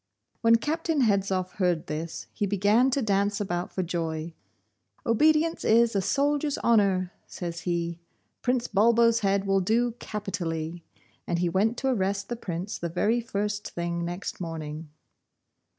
When Captain Hedzoff heard this, he began to dance about for joy. 'Obedience is a soldier's honour,' says he. 'Prince Bulbo's head will do capitally,' and he went to arrest the Prince the very first thing next morning.